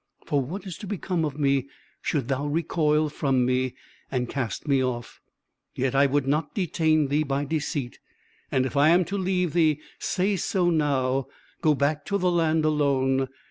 For what is to become of me should thou recoil from me, and cast me off? Yet I would not detain thee by deceit. And if I am to leave thee, say so now; go back to the land alone.